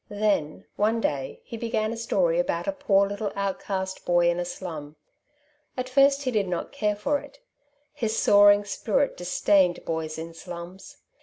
Then, one day, he began a story about a poor little outcast boy in a slum. At first he did not care for it. His soaring spirit disdained boys in slums.